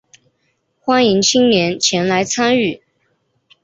欢迎青年前来参与